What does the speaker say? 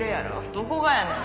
どこがやねん。